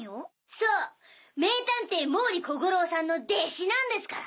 そう名探偵・毛利小五郎さんの弟子なんですから！